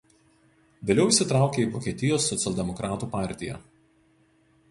Vėliau įsitraukė į Vokietijos socialdemokratų partiją.